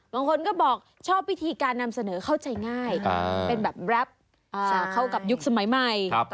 บางคนก็บอกชอบวิธีการนำเสนอเข้าใจง่ายเป็นแบบแรปเข้ากับยุคสมัยใหม่